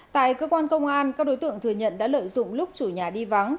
tại cơ quan công an các đối tượng thừa nhận đã lợi dụng lúc chủ nhà đi vắng